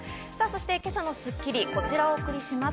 今朝の『スッキリ』はこちらをお送りします。